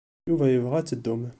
Yuba yebɣa ad teddum.